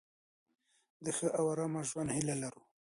د ښه او آرامه ژوند هیله لرو.